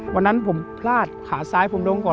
วันนั้นผมพลาดขาซ้ายผมลงก่อน